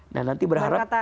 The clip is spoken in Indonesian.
nah nanti berharap